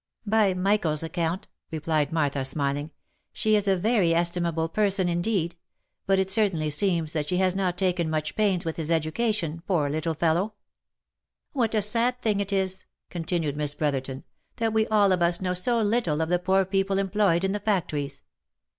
" By Michael's account," replied Martha, smiling, "she is a very estimable person indeed ; but it certainly seems that she has not taken much pains with his education, poor little fellow !"" What a sad thing it is," continued Miss Brotherton, " that we all of us know so little of the poor people employed in the factories